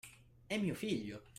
È mio figlio!